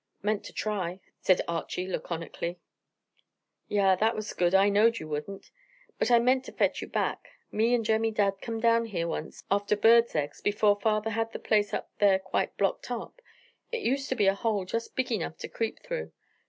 "Meant to try," said Archy laconically. "Yah! What was the good, I knowed you wouldn't; but I meant to fetch you back. Me and Jemmy Dadd come down here once after birds' eggs, before father had the place up there quite blocked up. It used to be a hole just big enough to creep through.